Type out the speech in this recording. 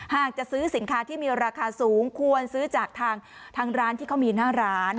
หากจะซื้อสินค้าที่มีราคาสูงควรซื้อจากทางร้านที่เขามีหน้าร้าน